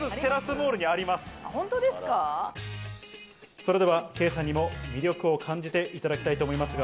それではケイさんにも魅力を感じていただきたいと思います。